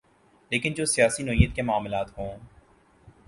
لیکن جو سیاسی نوعیت کے معاملات ہوں۔